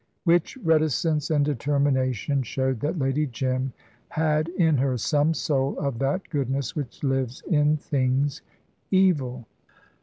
Which reticence and determination showed that Lady Jim had in her some soul of that goodness which lives in things evil.